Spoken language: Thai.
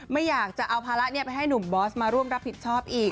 ไม่อยากจะเอาภาระไปให้หนุ่มบอสมาร่วมรับผิดชอบอีก